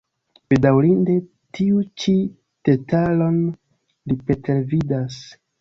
Bedaŭrinde, tiun ĉi detalon li pretervidas.